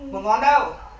một ngón đâu